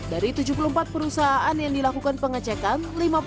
dari tujuh puluh empat perusahaan yang dilakukan pengecekan